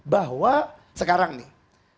bahwa sekarang nih